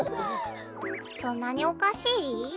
そんなにおかしい？